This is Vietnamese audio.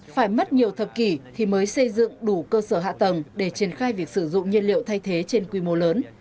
phải mất nhiều thập kỷ thì mới xây dựng đủ cơ sở hạ tầng để triển khai việc sử dụng nhiên liệu thay thế trên quy mô lớn